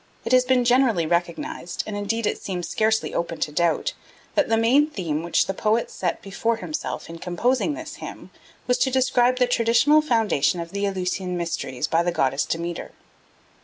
It has been generally recognised, and indeed it seems scarcely open to doubt, that the main theme which the poet set before himself in composing this hymn was to describe the traditional foundation of the Eleusinian mysteries by the goddess Demeter.